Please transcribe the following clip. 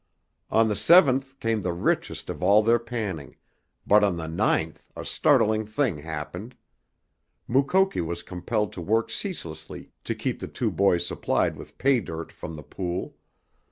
On the seventh came the richest of all their panning, but on the ninth a startling thing happened. Mukoki was compelled to work ceaselessly to keep the two boys supplied with "pay dirt" from the pool.